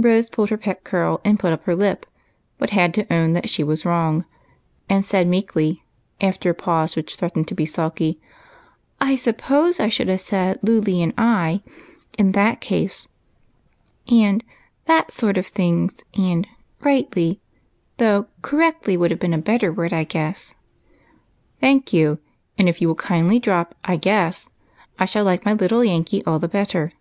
■ Rose pulled her pet curl and put up her lip, but had to own that she was wrong, and said meekly, after a pause which threatened to be sulky, —" I suppose I should have said ' Luly and I,' in that case, and 'that sort of things' and 'rightly,' though ' correctly ' would have been a better word, I guess." ," Thank you ; and if you will kindly drojD ' I guessj I shall like my little Yankee all the better.